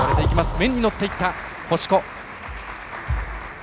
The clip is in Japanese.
面に乗っていった星子。